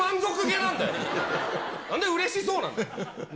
なんでうれしそうなんだ、な？